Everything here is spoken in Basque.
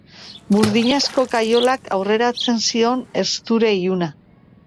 Burdinazko kaiolak aurreratzen zion herstura iluna.